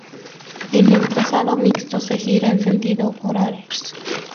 En el trazado mixto se gira en sentido horario.